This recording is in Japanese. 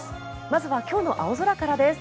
まずは今日の青空からです。